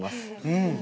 うん！